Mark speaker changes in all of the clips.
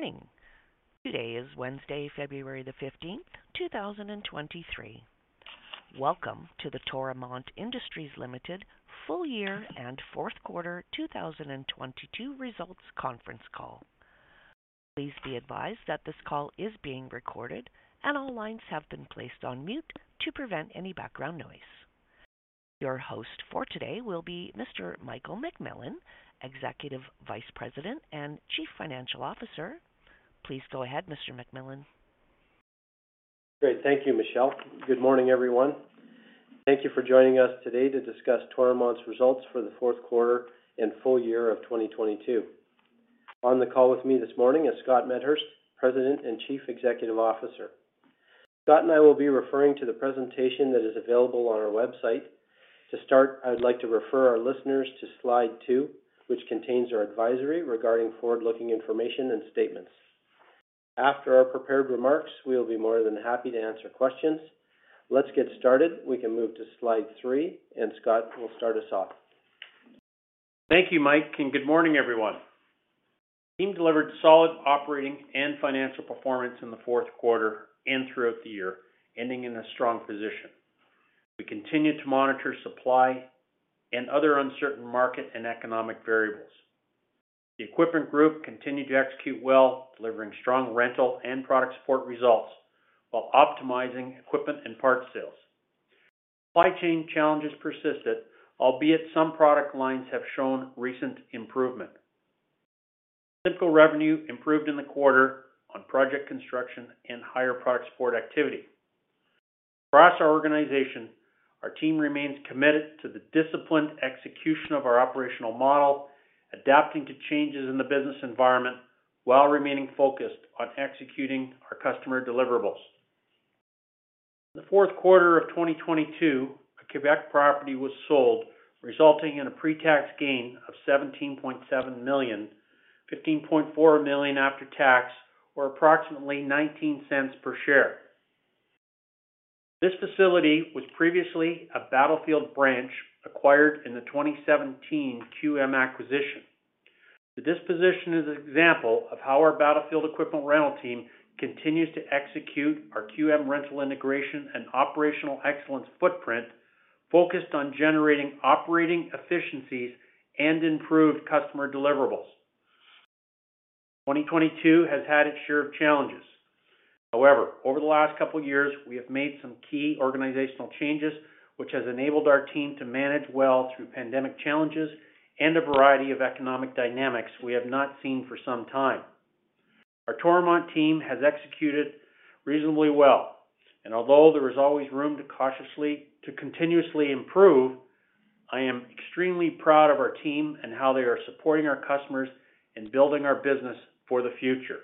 Speaker 1: Good morning. Today is Wednesday, February 15th, 2023. Welcome to the Toromont Industries Ltd. full year and fourth quarter 2022 results conference call. Please be advised that this call is being recorded and all lines have been placed on mute to prevent any background noise. Your host for today will be Mr. Michael McMillan, Executive Vice President and Chief Financial Officer. Please go ahead, Mr. McMillan.
Speaker 2: Great. Thank you, Michelle. Good morning, everyone. Thank you for joining us today to discuss Toromont's results for the fourth quarter and full year of 2022. On the call with me this morning is Scott Medhurst, President and Chief Executive Officer. Scott and I will be referring to the presentation that is available on our website. To start, I would like to refer our listeners to slide two, which contains our advisory regarding forward-looking information and statements. After our prepared remarks, we will be more than happy to answer questions. Let's get started. We can move to slide three, and Scott will start us off.
Speaker 3: Thank you, Mike. Good morning, everyone. Team delivered solid operating and financial performance in the fourth quarter and throughout the year, ending in a strong position. We continue to monitor supply and other uncertain market and economic variables. The Equipment Group continued to execute well, delivering strong rental and product support results while optimizing equipment and parts sales. Supply chain challenges persisted, albeit some product lines have shown recent improvement. Package revenue improved in the quarter on project construction and higher product support activity. Across our organization, our team remains committed to the disciplined execution of our operational model, adapting to changes in the business environment while remaining focused on executing our customer deliverables. In the fourth quarter of 2022, a Quebec property was sold, resulting in a pre-tax gain of 17.7 million, 15.4 million after tax, or approximately 0.19 per share. This facility was previously a Battlefield branch acquired in the 2017 Hewitt acquisition. The disposition is an example of how our Battlefield Equipment Rental team continues to execute our Hewitt rental integration and operational excellence footprint focused on generating operating efficiencies and improved customer deliverables. 2022 has had its share of challenges. Over the last couple years, we have made some key organizational changes, which has enabled our team to manage well through pandemic challenges and a variety of economic dynamics we have not seen for some time. Our Toromont team has executed reasonably well, although there is always room to continuously improve, I am extremely proud of our team and how they are supporting our customers and building our business for the future.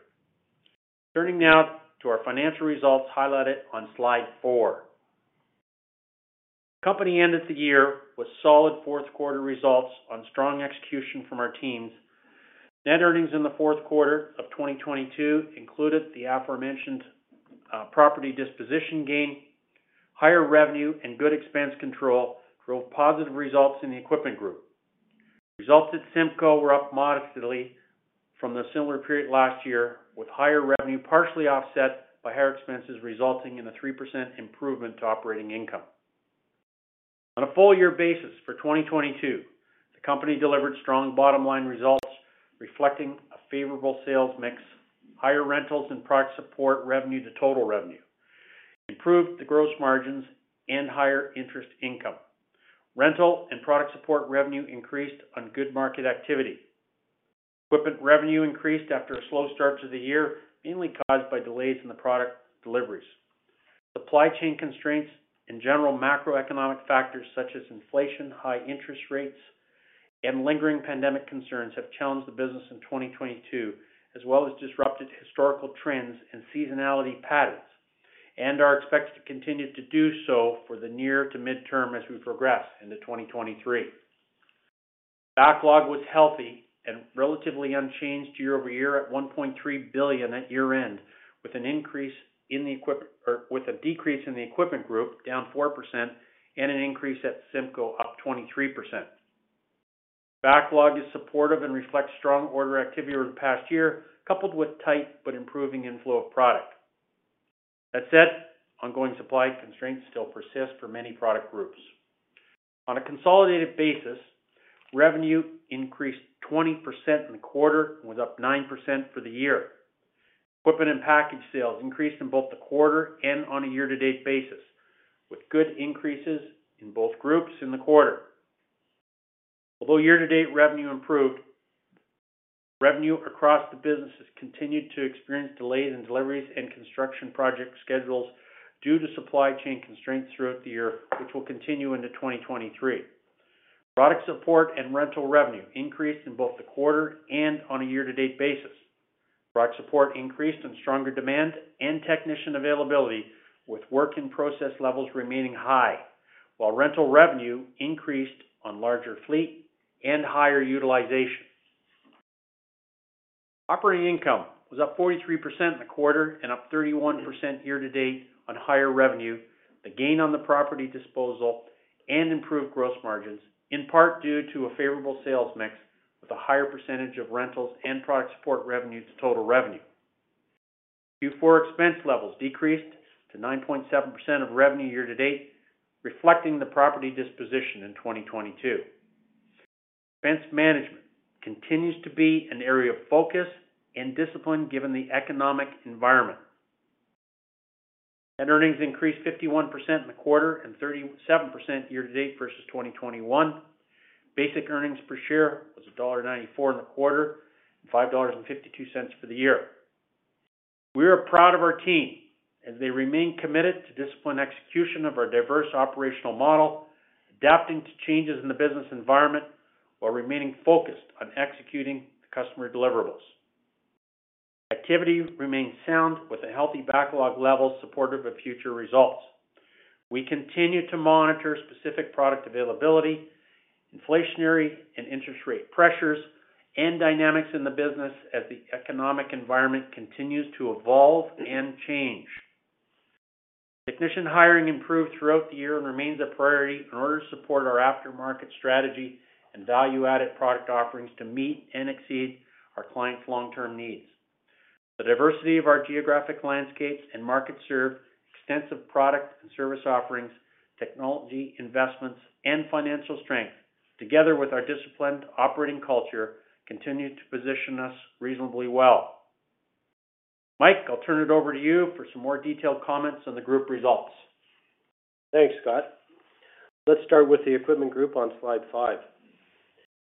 Speaker 3: Turning now to our financial results highlighted on slide four. Company ended the year with solid fourth quarter results on strong execution from our teams. Net earnings in the fourth quarter of 2022 included the aforementioned property disposition gain. Higher revenue and good expense control drove positive results in the Equipment Group. Results at CIMCO were up modestly from the similar period last year, with higher revenue partially offset by higher expenses resulting in a 3% improvement to operating income. On a full year basis for 2022, the company delivered strong bottom-line results reflecting a favorable sales mix, higher rentals and product support revenue to total revenue, improved the gross margins and higher interest income. Rental and product support revenue increased on good market activity. Equipment revenue increased after a slow start to the year, mainly caused by delays in the product deliveries. Supply chain constraints and general macroeconomic factors such as inflation, high interest rates, and lingering pandemic concerns have challenged the business in 2022, as well as disrupted historical trends and seasonality patterns, and are expected to continue to do so for the near to mid-term as we progress into 2023. Backlog was healthy and relatively unchanged year-over-year at 1.3 billion at year-end, with a decrease in the Equipment Group down 4% and an increase at CIMCO up 23%. Backlog is supportive and reflects strong order activity over the past year, coupled with tight but improving inflow of product. That said, ongoing supply constraints still persist for many product groups. On a consolidated basis, revenue increased 20% in the quarter and was up 9% for the year. Equipment and package sales increased in both the quarter and on a year-to-date basis, with good increases in both groups in the quarter. Although year-to-date revenue improved, revenue across the businesses continued to experience delays in deliveries and construction project schedules due to supply chain constraints throughout the year, which will continue into 2023. Product support and rental revenue increased in both the quarter and on a year-to-date basis. Product support increased on stronger demand and technician availability with work in process levels remaining high, while rental revenue increased on larger fleet and higher utilization. Operating income was up 43% in the quarter and up 31% year to date on higher revenue, a gain on the property disposal and improved gross margins, in part due to a favorable sales mix with a higher percentage of rentals and product support revenue to total revenue. Q4 expense levels decreased to 9.7% of revenue year to date, reflecting the property disposition in 2022. Expense management continues to be an area of focus and discipline given the economic environment. Earnings increased 51% in the quarter and 37% year to date versus 2021. Basic earnings per share was dollar 1.94 in the quarter, 5.52 dollars for the year. We are proud of our team as they remain committed to disciplined execution of our diverse operational model, adapting to changes in the business environment while remaining focused on executing the customer deliverables. Activity remains sound with a healthy backlog level supportive of future results. We continue to monitor specific product availability, inflationary and interest rate pressures, and dynamics in the business as the economic environment continues to evolve and change. Technician hiring improved throughout the year and remains a priority in order to support our aftermarket strategy and value-added product offerings to meet and exceed our clients' long-term needs. The diversity of our geographic landscapes and markets serve extensive product and service offerings, technology investments, and financial strength, together with our disciplined operating culture continue to position us reasonably well. Mike, I'll turn it over to you for some more detailed comments on the Group results.
Speaker 2: Thanks, Scott. Let's start with the Equipment Group on slide five.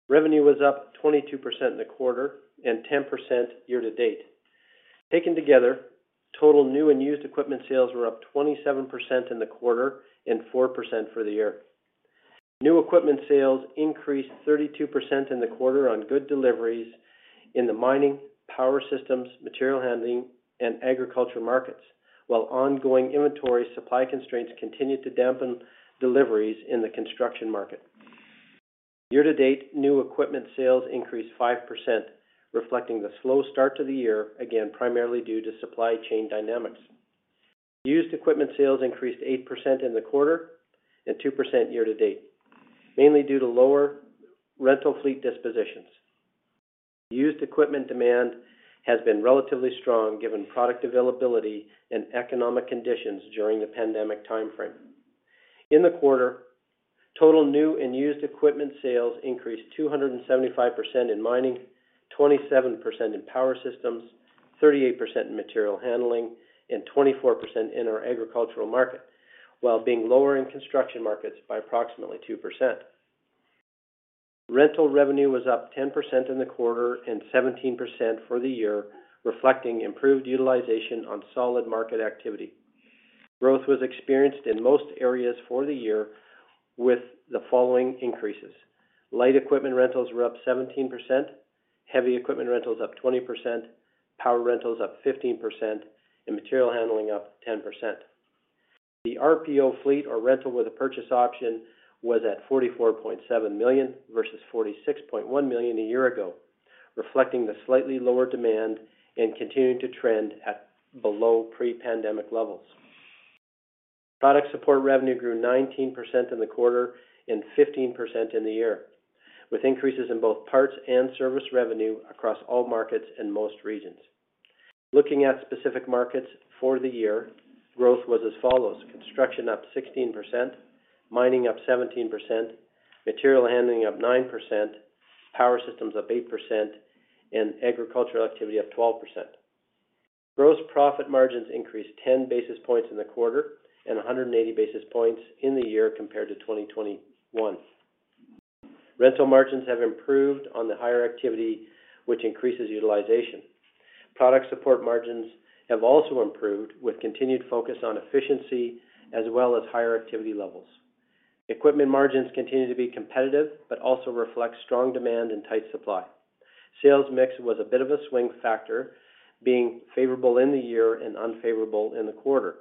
Speaker 2: Revenue was up 22% in the quarter and 10% year-to-date. Taken together, total new and used equipment sales were up 27% in the quarter and 4% for the year. New equipment sales increased 32% in the quarter on good deliveries in the mining, power systems, material handling, and agricultural markets, while ongoing inventory supply constraints continued to dampen deliveries in the construction market. Year-to-date, new equipment sales increased 5%, reflecting the slow start to the year, again, primarily due to supply chain dynamics. Used equipment sales increased 8% in the quarter and 2% year-to-date, mainly due to lower rental fleet dispositions. Used equipment demand has been relatively strong given product availability and economic conditions during the pandemic timeframe. In the quarter, total new and used equipment sales increased 275% in mining, 27% in power systems, 38% in material handling, and 24% in our agricultural market, while being lower in construction markets by approximately 2%. Rental revenue was up 10% in the quarter and 17% for the year, reflecting improved utilization on solid market activity. Growth was experienced in most areas for the year with the following increases: light equipment rentals were up 17%, heavy equipment rentals up 20%, power rentals up 15%, and material handling up 10%. The RPO fleet or rental with a purchase option was at 44.7 million versus 46.1 million a year ago, reflecting the slightly lower demand and continuing to trend at below pre-pandemic levels. Product support revenue grew 19% in the quarter and 15% in the year, with increases in both parts and service revenue across all markets in most regions. Looking at specific markets for the year, growth was as follows: construction up 16%, mining up 17%, material handling up 9%, power systems up 8%, and agricultural activity up 12%. Gross profit margins increased 10 basis points in the quarter and 180 basis points in the year compared to 2021. Rental margins have improved on the higher activity, which increases utilization. Product support margins have also improved with continued focus on efficiency as well as higher activity levels. Equipment margins continue to be competitive but also reflect strong demand and tight supply. Sales mix was a bit of a swing factor, being favorable in the year and unfavorable in the quarter.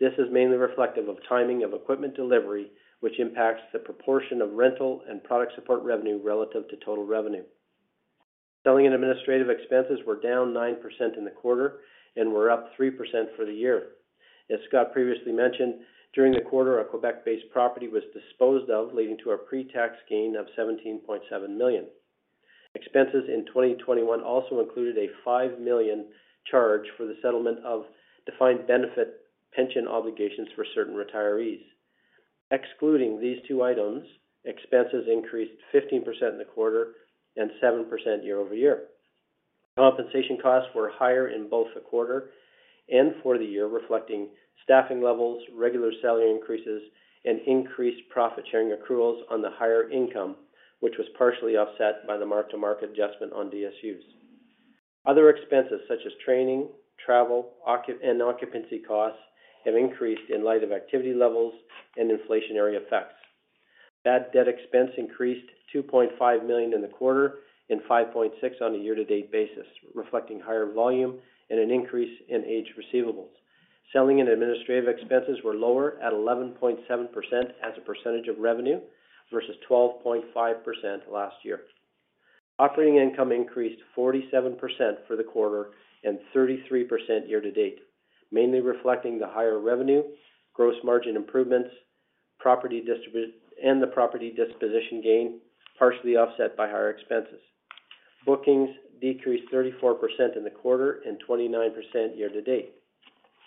Speaker 2: This is mainly reflective of timing of equipment delivery, which impacts the proportion of rental and product support revenue relative to total revenue. Selling and administrative expenses were down 9% in the quarter and were up 3% for the year. As Scott previously mentioned, during the quarter, our Quebec-based property was disposed of, leading to a pre-tax gain of 17.7 million. Expenses in 2021 also included a 5 million charge for the settlement of defined benefit pension obligations for certain retirees. Excluding these two items, expenses increased 15% in the quarter and 7% year-over-year. Compensation costs were higher in both the quarter and for the year, reflecting staffing levels, regular salary increases, and increased profit sharing accruals on the higher income, which was partially offset by the mark-to-market adjustment on DSUs. Other expenses such as training, travel, and occupancy costs have increased in light of activity levels and inflationary effects. Bad debt expense increased 2.5 million in the quarter and 5.6 million on a year-to-date basis, reflecting higher volume and an increase in age receivables. Selling and administrative expenses were lower at 11.7% as a percentage of revenue versus 12.5% last year. Operating income increased 47% for the quarter and 33% year-to-date, mainly reflecting the higher revenue, gross margin improvements, and the property disposition gain, partially offset by higher expenses. Bookings decreased 34% in the quarter and 29% year-to-date.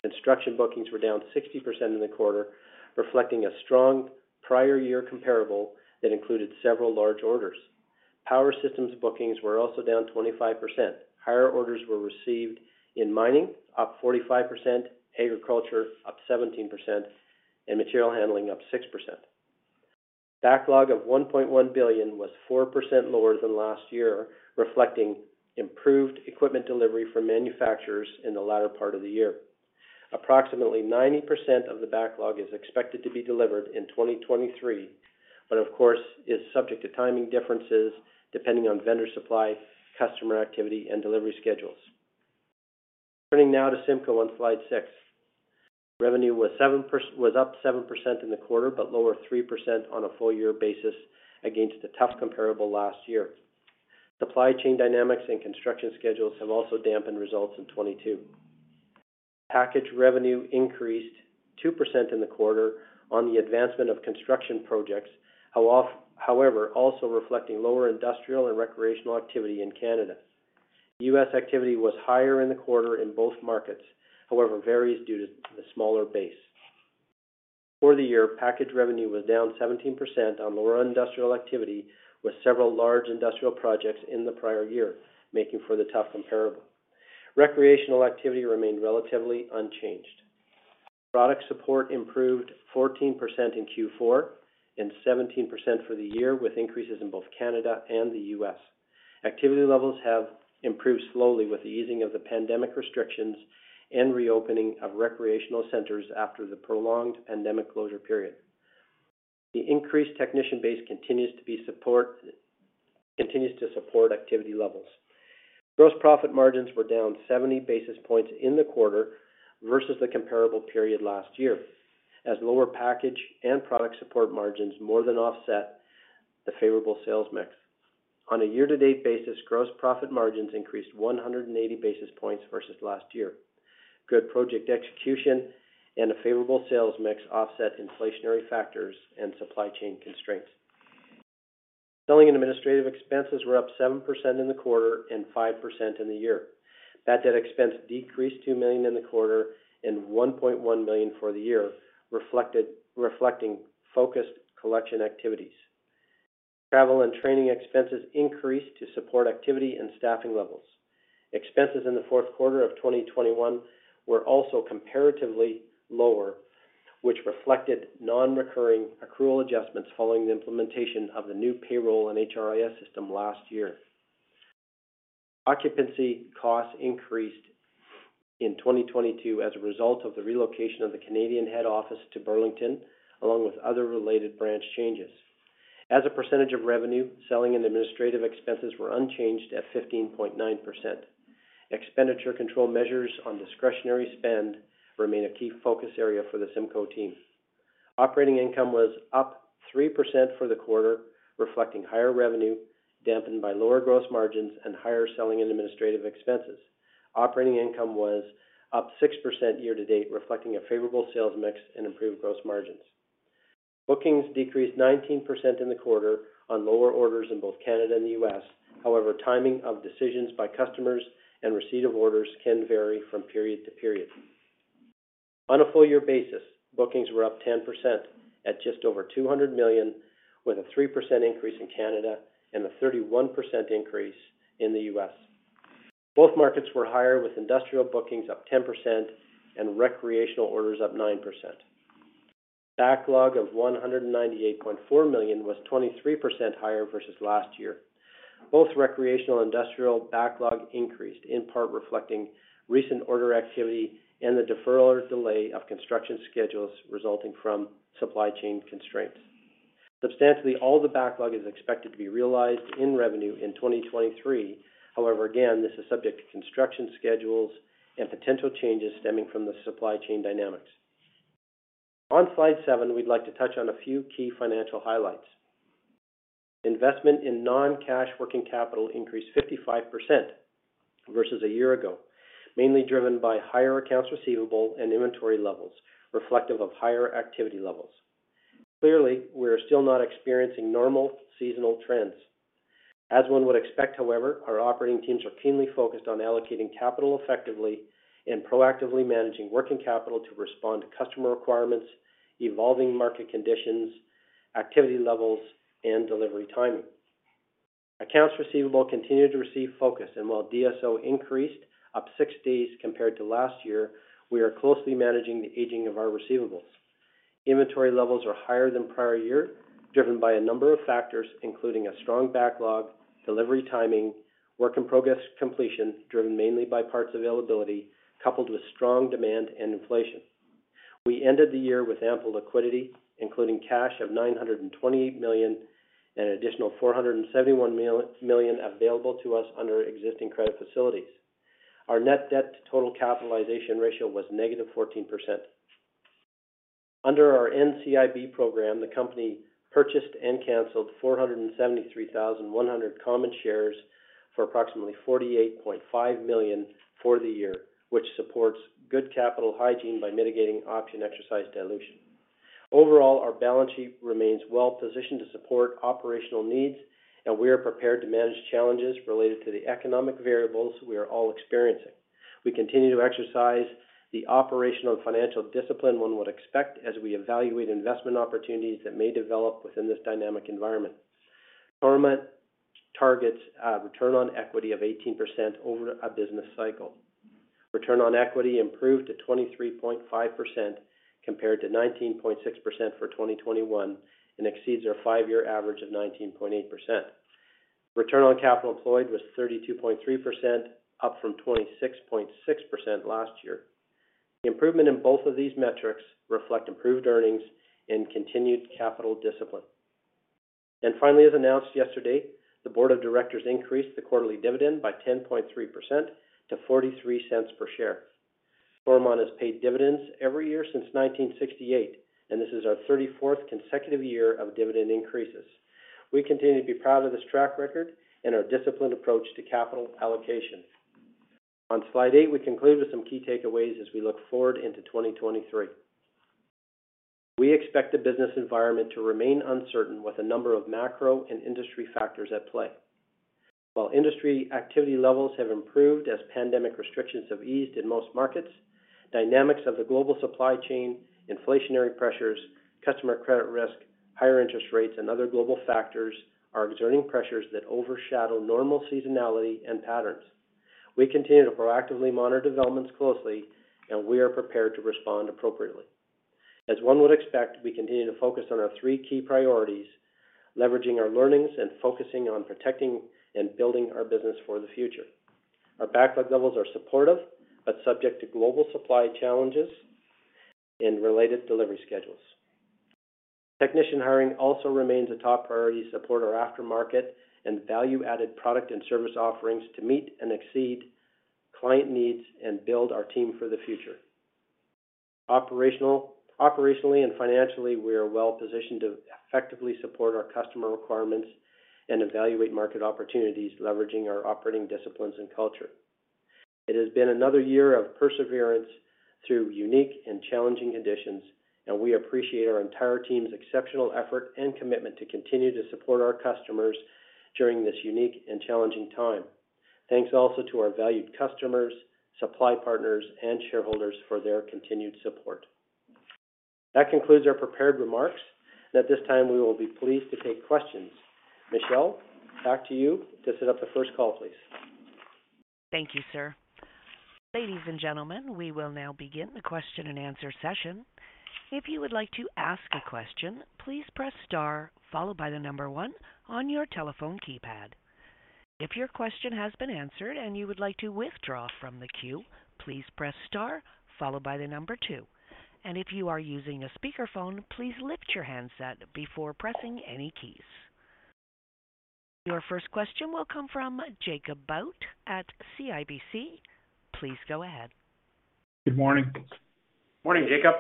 Speaker 2: Construction bookings were down 60% in the quarter, reflecting a strong prior year comparable that included several large orders. Power systems bookings were also down 25%. Higher orders were received in mining, up 45%, agriculture up 17%, material handling up 6%. Backlog of 1.1 billion was 4% lower than last year, reflecting improved equipment delivery for manufacturers in the latter part of the year. Approximately 90% of the backlog is expected to be delivered in 2023, of course is subject to timing differences depending on vendor supply, customer activity, and delivery schedules. Turning now to CIMCO on slide 6. Revenue was up 7% in the quarter, lower 3% on a full year basis against a tough comparable last year. Supply chain dynamics and construction schedules have also dampened results in 2022. Package revenue increased 2% in the quarter on the advancement of construction projects. Also reflecting lower industrial and recreational activity in Canada. U.S. activity was higher in the quarter in both markets, however, varies due to the smaller base. For the year, package revenue was down 17% on lower industrial activity, with several large industrial projects in the prior year making for the tough comparable. Recreational activity remained relatively unchanged. Product support improved 14% in Q4 and 17% for the year, with increases in both Canada and the U.S. Activity levels have improved slowly with the easing of the pandemic restrictions and reopening of recreational centers after the prolonged pandemic closure period. The increased technician base continues to support activity levels. Gross profit margins were down 70 basis points in the quarter versus the comparable period last year. Lower package and product support margins more than offset the favorable sales mix. On a year-to-date basis, gross profit margins increased 180 basis points versus last year. Good project execution and a favorable sales mix offset inflationary factors and supply chain constraints. Selling and administrative expenses were up 7% in the quarter and 5% in the year. Bad debt expense decreased $2 million in the quarter and $1.1 million for the year, reflecting focused collection activities. Travel and training expenses increased to support activity and staffing levels. Expenses in the fourth quarter of 2021 were also comparatively lower, which reflected non-recurring accrual adjustments following the implementation of the new payroll and HRIS system last year. Occupancy costs increased in 2022 as a result of the relocation of the Canadian head office to Burlington, along with other related branch changes. As a percentage of revenue, selling and administrative expenses were unchanged at 15.9%. Expenditure control measures on discretionary spend remain a key focus area for the CIMCO team. Operating income was up 3% for the quarter, reflecting higher revenue dampened by lower gross margins and higher selling and administrative expenses. Operating income was up 6% year-to-date, reflecting a favorable sales mix and improved gross margins. Bookings decreased 19% in the quarter on lower orders in both Canada and the U.S. However, timing of decisions by customers and receipt of orders can vary from period to period. On a full-year basis, bookings were up 10% at just over 200 million, with a 3% increase in Canada and a 31% increase in the U.S. Both markets were higher, with industrial bookings up 10% and recreational orders up 9%. Backlog of 198.4 million was 23% higher versus last year. Both recreational industrial backlog increased, in part reflecting recent order activity and the deferral or delay of construction schedules resulting from supply chain constraints. Substantially all the backlog is expected to be realized in revenue in 2023. Again, this is subject to construction schedules and potential changes stemming from the supply chain dynamics. On slide 7, we'd like to touch on a few key financial highlights. Investment in non-cash working capital increased 55% versus a year ago, mainly driven by higher accounts receivable and inventory levels reflective of higher activity levels. Clearly, we are still not experiencing normal seasonal trends. As one would expect, however, our operating teams are keenly focused on allocating capital effectively and proactively managing working capital to respond to customer requirements, evolving market conditions, activity levels, and delivery timing. Accounts receivable continue to receive focus, while DSO increased up six days compared to last year, we are closely managing the aging of our receivables. Inventory levels are higher than prior year, driven by a number of factors, including a strong backlog, delivery timing, work in progress completion, driven mainly by parts availability, coupled with strong demand and inflation. We ended the year with ample liquidity, including cash of 928 million and an additional 471 million available to us under existing credit facilities. Our net debt to total capitalization ratio was negative 14%. Under our NCIB program, the company purchased and canceled 473,100 common shares for approximately 48.5 million for the year, which supports good capital hygiene by mitigating option exercise dilution. Overall, our balance sheet remains well positioned to support operational needs, and we are prepared to manage challenges related to the economic variables we are all experiencing. We continue to exercise the operational financial discipline one would expect as we evaluate investment opportunities that may develop within this dynamic environment. Toromont targets a return on equity of 18% over a business cycle. Return on equity improved to 23.5% compared to 19.6% for 2021, and exceeds our five-year average of 19.8%. Return on capital employed was 32.3%, up from 26.6% last year. The improvement in both of these metrics reflect improved earnings and continued capital discipline. Finally, as announced yesterday, the board of directors increased the quarterly dividend by 10.3% to $0.43 per share. Toromont has paid dividends every year since 1968, and this is our 34th consecutive year of dividend increases. We continue to be proud of this track record and our disciplined approach to capital allocation. On slide eight, we conclude with some key takeaways as we look forward into 2023. We expect the business environment to remain uncertain with a number of macro and industry factors at play. While industry activity levels have improved as pandemic restrictions have eased in most markets, dynamics of the global supply chain, inflationary pressures, customer credit risk, higher interest rates, and other global factors are exerting pressures that overshadow normal seasonality and patterns. We continue to proactively monitor developments closely, and we are prepared to respond appropriately. As one would expect, we continue to focus on our three key priorities, leveraging our learnings, and focusing on protecting and building our business for the future. Our backlog levels are supportive, but subject to global supply challenges and related delivery schedules. Technician hiring also remains a top priority to support our aftermarket and value-added product and service offerings to meet and exceed client needs and build our team for the future. Operationally and financially, we are well positioned to effectively support our customer requirements and evaluate market opportunities, leveraging our operating disciplines and culture. It has been another year of perseverance through unique and challenging conditions, we appreciate our entire team's exceptional effort and commitment to continue to support our customers during this unique and challenging time. Thanks also to our valued customers, supply partners, and shareholders for their continued support. That concludes our prepared remarks. At this time, we will be pleased to take questions. Michelle, back to you to set up the first call, please.
Speaker 1: Thank you, sir. Ladies and gentlemen, we will now begin the question and answer session. If you would like to ask a question, please press star followed by the number one on your telephone keypad. If your question has been answered and you would like to withdraw from the queue, please press star followed by the number two. If you are using a speakerphone, please lift your handset before pressing any keys. Your first question will come from Jacob Bout at CIBC. Please go ahead.
Speaker 4: Good morning.
Speaker 2: Morning, Jacob.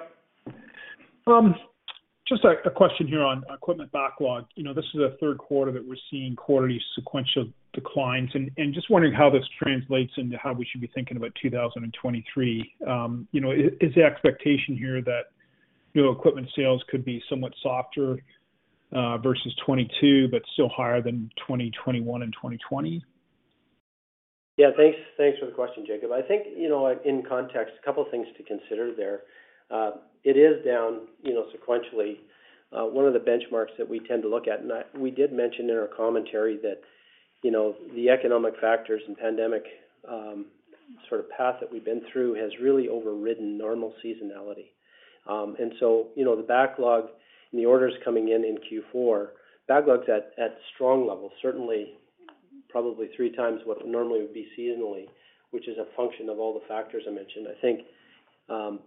Speaker 4: Just a question here on equipment backlog. You know, this is the third quarter that we're seeing quarterly sequential declines. just wondering how this translates into how we should be thinking about 2023. You know, is the expectation here that, you know, equipment sales could be somewhat softer versus 2022, but still higher than 2021 and 2020?
Speaker 2: Yeah. Thanks for the question, Jacob. I think, in context, a couple things to consider there. It is down sequentially, one of the benchmarks that we tend to look at. We did mention in our commentary that, you know, the economic factors and pandemic, sort of path that we've been through has really overridden normal seasonality. You know, the backlog and the orders coming in Q4, backlogs at strong levels, certainly probably three times what normally would be seasonally, which is a function of all the factors I mentioned. I think,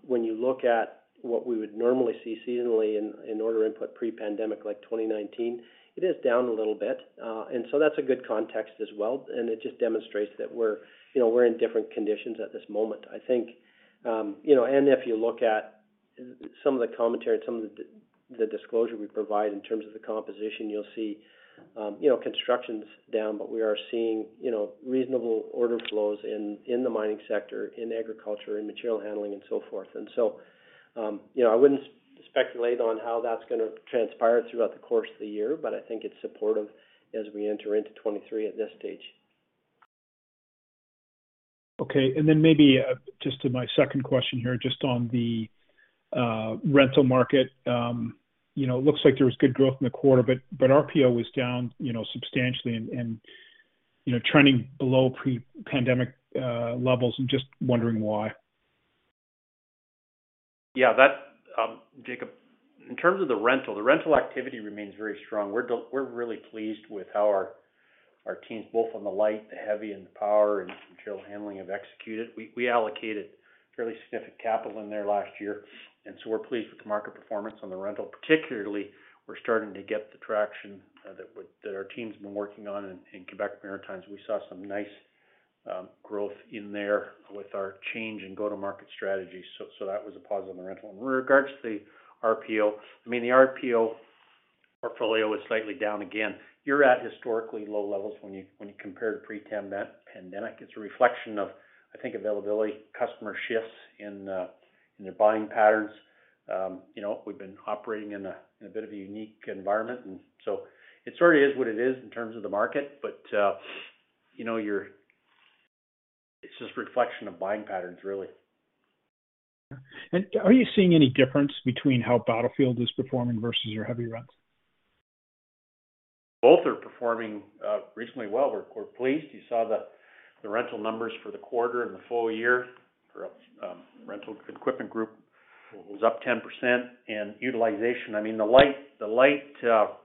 Speaker 2: when you look at what we would normally see seasonally in order input pre-pandemic like 2019, it is down a little bit. That's a good context as well, and it just demonstrates that we're, you know, we're in different conditions at this moment. I think, you know, if you look at some of the commentary and some of the disclosure we provide in terms of the composition, you'll see, you know, construction's down, but we are seeing, you know, reasonable order flows in the mining sector, in agriculture, in material handling and so forth. You know, I wouldn't speculate on how that's gonna transpire throughout the course of the year, but I think it's supportive as we enter into 2023 at this stage.
Speaker 4: Okay. Maybe just to my second question here, just on the rental market. You know, it looks like there was good growth in the quarter, but RPO was down, you know, substantially and, you know, trending below pre-pandemic levels. I'm just wondering why.
Speaker 3: That, Jacob, in terms of the rental, the rental activity remains very strong. We're really pleased with how our teams, both on the light, the heavy, and the power and material handling have executed. We allocated fairly significant capital in there last year, we're pleased with the market performance on the rental. Particularly, we're starting to get the traction that our team's been working on in Quebec and Maritimes. We saw some nice Growth in there with our change in go-to-market strategy. That was a positive in the rental. With regards to the RPO, I mean the RPO portfolio is slightly down again. You're at historically low levels when you compare to pre-pandemic. It's a reflection of, I think, availability, customer shifts in their buying patterns. You know, we've been operating in a bit of a unique environment and so it sort of is what it is in terms of the market. You know, it's just reflection of buying patterns really.
Speaker 4: Are you seeing any difference between how Battlefield is performing versus your heavy rents?
Speaker 3: Both are performing reasonably well. We're pleased. You saw the rental numbers for the quarter and the full year for rental Equipment Group was up 10%. Utilization, I mean the light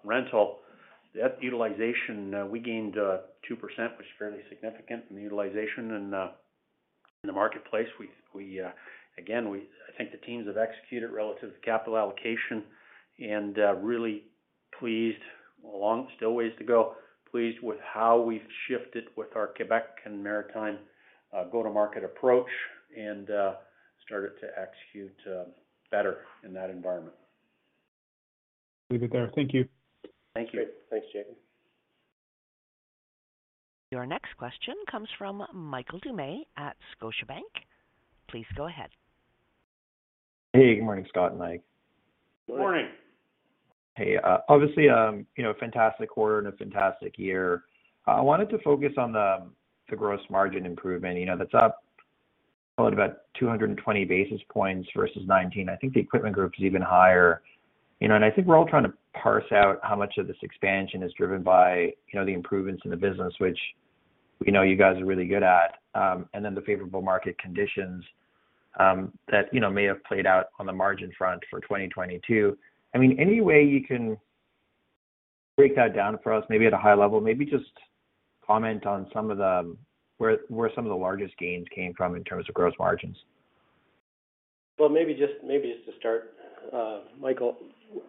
Speaker 3: rental, that utilization, we gained 2%, which is fairly significant in the utilization in the marketplace. We again, I think the teams have executed relative to capital allocation and really pleased along. Still ways to go. Pleased with how we've shifted with our Quebec and Maritime go-to-market approach and started to execute better in that environment.
Speaker 4: Leave it there. Thank you.
Speaker 3: Thank you.
Speaker 2: Great. Thanks, Jacob.
Speaker 1: Your next question comes from Michael Doumet at Scotiabank. Please go ahead.
Speaker 5: Hey, good morning, Scott and Mike.
Speaker 3: Good morning.
Speaker 5: Hey, you know, fantastic quarter and a fantastic year. I wanted to focus on the gross margin improvement. You know, that's up about 220 basis points versus 2019. I think the Equipment Group is even higher. You know, I think we're all trying to parse out how much of this expansion is driven by, you know, the improvements in the business, which we know you guys are really good at, and then the favorable market conditions that, you know, may have played out on the margin front for 2022. I mean, any way you can break that down for us, maybe at a high level? Maybe just comment on where some of the largest gains came from in terms of gross margins.
Speaker 2: Well, maybe just to start, Michael,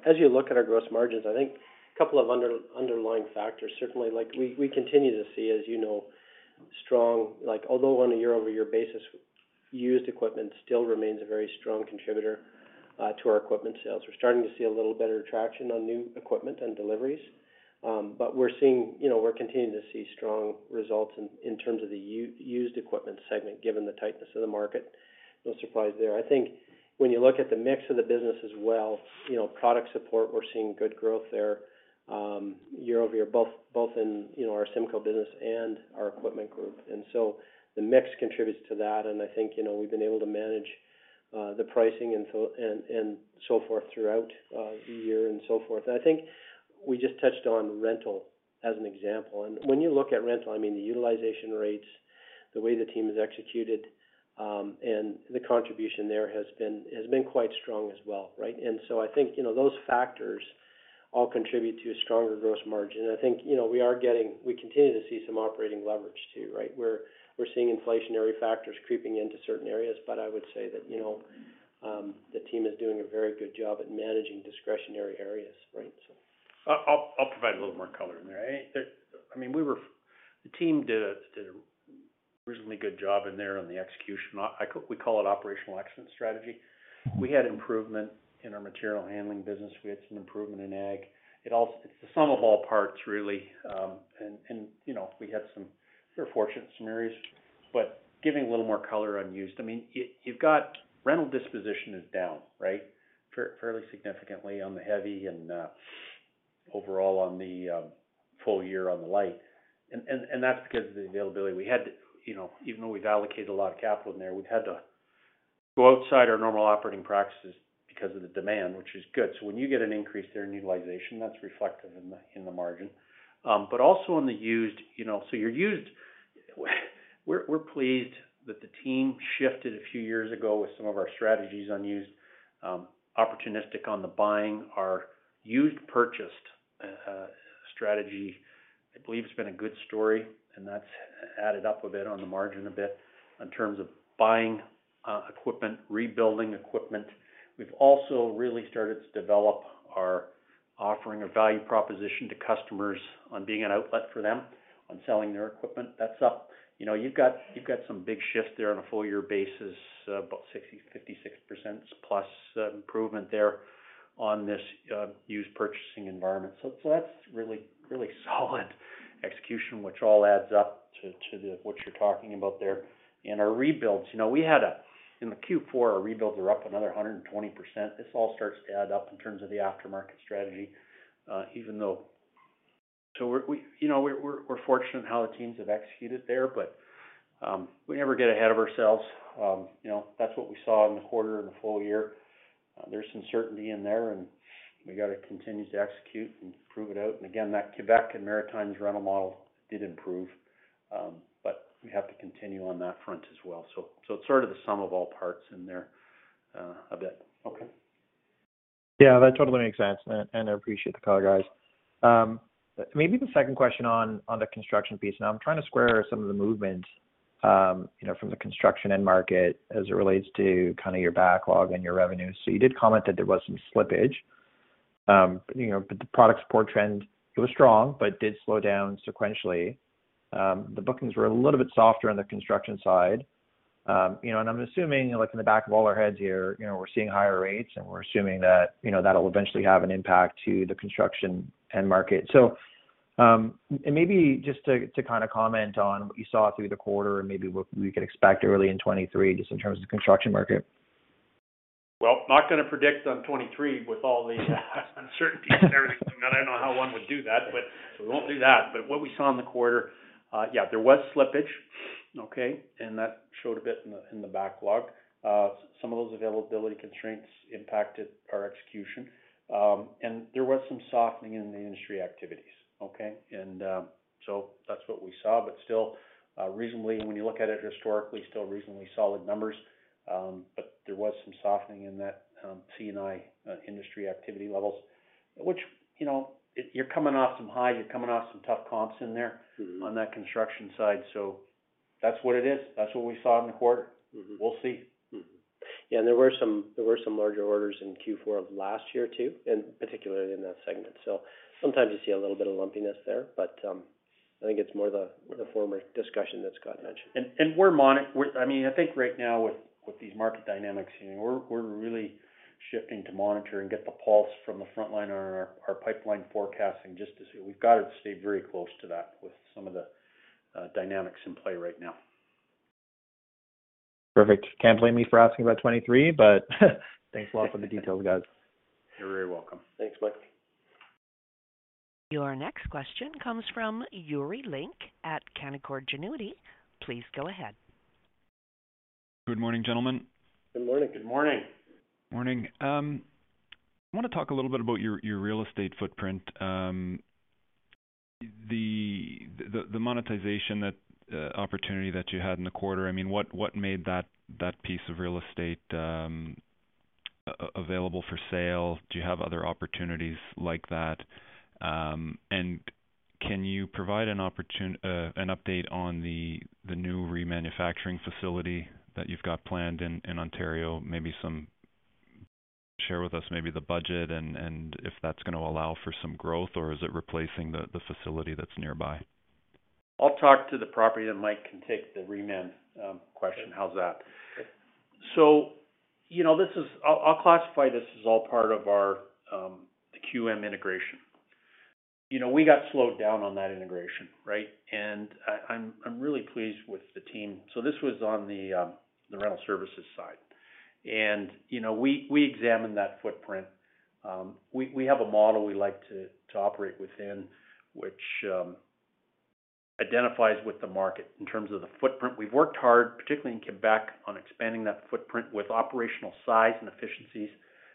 Speaker 2: as you look at our gross margins, I think a couple of underlying factors certainly. Like we continue to see, as you know, strong. Like, although on a year-over-year basis, used equipment still remains a very strong contributor to our equipment sales. We're starting to see a little better traction on new equipment and deliveries. We're seeing, you know, we're continuing to see strong results in terms of the used equipment segment, given the tightness of the market, no surprise there. I think when you look at the mix of the business as well, you know, product support, we're seeing good growth there, year over year, both in, you know, our CIMCO business and our Equipment Group. The mix contributes to that. I think, you know, we've been able to manage the pricing and so forth throughout the year and so forth. I think we just touched on rental as an example. When you look at rental, I mean, the utilization rates, the way the team has executed, and the contribution there has been quite strong as well, right? I think, you know, those factors all contribute to a stronger gross margin. I think, you know, we continue to see some operating leverage too, right? We're seeing inflationary factors creeping into certain areas. I would say that, you know, the team is doing a very good job at managing discretionary areas, right?
Speaker 3: I'll provide a little more color in there. I mean, the team did a reasonably good job in there on the execution. We call it operational excellence strategy. We had improvement in our material handling business. We had some improvement in ag. It's the sum of all parts, really. You know, we had some. We were fortunate in some areas. Giving a little more color on used, I mean, you've got rental disposition is down, right? Fairly significantly on the heavy and overall on the full year on the light. That's because of the availability. We had to, you know, even though we've allocated a lot of capital in there, we've had to go outside our normal operating practices because of the demand, which is good. When you get an increase there in utilization, that's reflective in the margin. Also on the used, you know, your used, we're pleased that the team shifted a few years ago with some of our strategies on used, opportunistic on the buying. Our used purchased strategy I believe has been a good story, and that's added up a bit on the margin a bit in terms of buying equipment, rebuilding equipment. We've also really started to develop our offering of value proposition to customers on being an outlet for them on selling their equipment. That's up. You know, you've got some big shifts there on a full year basis, about 60-66% plus improvement there on this used purchasing environment. So that's really, really solid execution, which all adds up to the what you're talking about there. Our rebuilds, you know, in the Q4, our rebuilds are up another 120%. This all starts to add up in terms of the aftermarket strategy. We're, you know, we're fortunate in how the teams have executed there, but we never get ahead of ourselves. You know, that's what we saw in the quarter and the full year. There's some certainty in there, and we gotta continue to execute and prove it out. Again, that Quebec and Maritimes rental model did improve, but we have to continue on that front as well. So it's sort of the sum of all parts in there, a bit.
Speaker 5: Okay. Yeah, that totally makes sense. I appreciate the color, guys. Maybe the second question on the construction piece, now I'm trying to square some of the movement, you know, from the construction end market as it relates to kinda your backlog and your revenues. You did comment that there was some slippage
Speaker 2: You know, the product support trend, it was strong, but did slow down sequentially. The bookings were a little bit softer on the construction side. You know, and I'm assuming, like in the back of all our heads here, you know, we're seeing higher rates and we're assuming that, you know, that'll eventually have an impact to the construction end market. Maybe just to kinda comment on what you saw through the quarter and maybe what we could expect early in 23, just in terms of construction market.
Speaker 3: not gonna predict on 2023 with all the uncertainties and everything going on. I don't know how one would do that, but. we won't do that. what we saw in the quarter, yeah, there was slippage, okay? that showed a bit in the backlog. some of those availability constraints impacted our execution. there was some softening in the industry activities, okay? that's what we saw. still, reasonably, when you look at it historically, still reasonably solid numbers. there was some softening in that, C&I, industry activity levels, which, you know, you're coming off some high, you're coming off some tough comps in there.
Speaker 2: Mm-hmm...
Speaker 3: on that construction side. That's what it is. That's what we saw in the quarter.
Speaker 2: Mm-hmm.
Speaker 3: We'll see.
Speaker 2: There were some larger orders in Q4 of last year, too, and particularly in that segment. Sometimes you see a little bit of lumpiness there, but I think it's more the former discussion that Scott mentioned.
Speaker 3: I mean, I think right now with these market dynamics, you know, we're really shifting to monitor and get the pulse from the front line on our pipeline forecasting just to see. We've gotta stay very close to that with some of the dynamics in play right now.
Speaker 2: Perfect. Can't blame me for asking about 2023, but thanks a lot for the details, guys.
Speaker 3: You're very welcome.
Speaker 6: Thanks, Mike.
Speaker 1: Your next question comes from Yuri Lynk at Canaccord Genuity. Please go ahead.
Speaker 6: Good morning, gentlemen.
Speaker 3: Good morning.
Speaker 6: Morning. I wanna talk a little bit about your real estate footprint. The monetization that opportunity that you had in the quarter. I mean, what made that piece of real estate available for sale? Do you have other opportunities like that? Can you provide an update on the new remanufacturing facility that you've got planned in Ontario? Share with us maybe the budget and if that's gonna allow for some growth, or is it replacing the facility that's nearby?
Speaker 3: I'll talk to the property, then Mike can take the reman, question. How's that?
Speaker 6: Okay.
Speaker 3: You know, I'll classify this as all part of our Hewitt integration. You know, we got slowed down on that integration, right? I'm really pleased with the team. This was on the rental services side. You know, we examined that footprint. We have a model we like to operate within, which identifies with the market in terms of the footprint. We've worked hard, particularly in Quebec, on expanding that footprint with operational size and efficiencies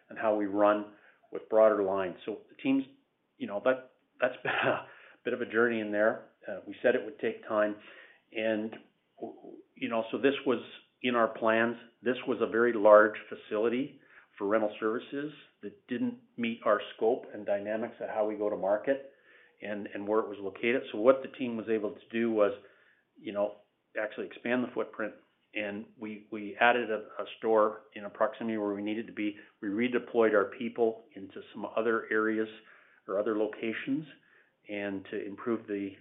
Speaker 3: and how we run with broader lines. The teams. That's been a bit of a journey in there. We said it would take time. You know, this was in our plans. This was a very large facility for rental services that didn't meet our scope and dynamics of how we go to market and where it was located. What the team was able to do was, you know, actually expand the footprint, and we added a store in a proximity where we needed to be. We redeployed our people into some other areas or other locations and to improve the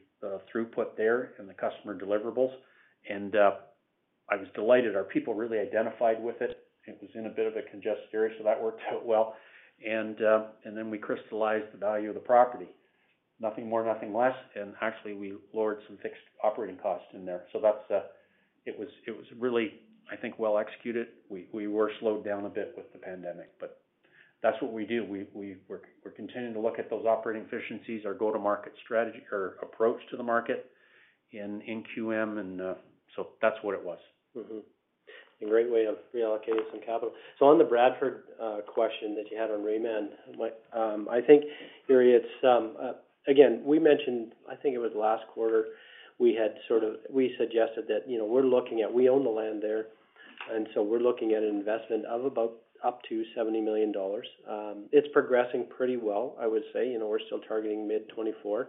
Speaker 3: throughput there and the customer deliverables. I was delighted. Our people really identified with it. It was in a bit of a congested area, so that worked out well. Then we crystallized the value of the property. Nothing more, nothing less. Actually, we lowered some fixed operating costs in there. That's... It was really, I think, well executed. We were slowed down a bit with the pandemic. That's what we do. We're continuing to look at those operating efficiencies, our go-to-market strategy or approach to the market in Hewitt and. That's what it was.
Speaker 2: A great way of reallocating some capital. On the Bradford question that you had on reman, I think, Yuri, it's. Again, we mentioned, I think it was last quarter, we suggested that, you know, we own the land there, we're looking at an investment of about up to $70 million. It's progressing pretty well, I would say. You know, we're still targeting mid-2024 to